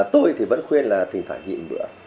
tôi thì vẫn khuyên là thỉnh thoảng dị một bữa